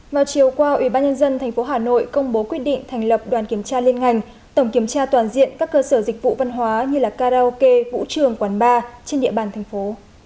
vào chiều qua ubnd tp hà nội công bố quyết định thành lập đoàn kiểm tra liên ngành tổng kiểm tra toàn diện các cơ sở dịch vụ văn hóa như là karaoke vũ trường quán bar trên địa bàn thành phố